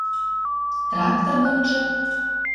Трактор донжы